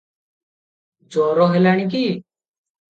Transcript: ଜର ହେଲାଣି କି?